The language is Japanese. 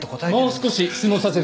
もう少し質問させて。